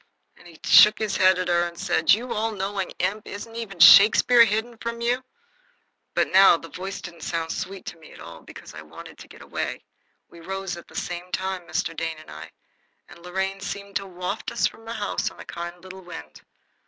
And he shook his head at her and said, "You all knowing imp! isn't even Shakespeare hidden from you?" But now the voice didn't sound sweet to me at all, because I wanted to get away. We rose at the same minute, Mr. Dane and I, and Lorraine seemed to waft us from the house on a kind little wind.